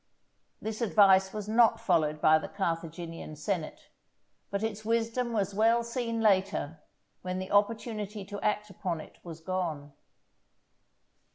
This advice was not followed by the Carthaginian senate, but its wisdom was well seen later, when the opportunity to act upon it was gone.